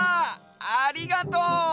ありがとう！